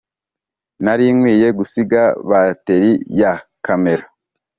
nari nkwiye gusiga bateri ya kamera.